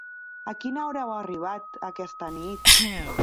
A quina hora heu arribat, aquesta nit?